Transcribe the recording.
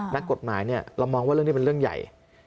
นักกฎหมายเรามองว่าเรื่องนี้เป็นเรื่องใหญ่